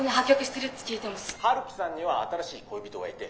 「陽樹さんには新しい恋人がいて」。